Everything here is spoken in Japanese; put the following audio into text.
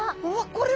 これは。